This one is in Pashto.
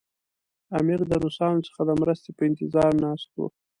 امیر د روسانو څخه د مرستې په انتظار ناست وو.